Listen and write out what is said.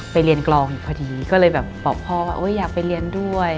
ไปเรียนกรองอยู่พอดีก็เลยแบบบอกพ่อว่าอยากไปเรียนด้วย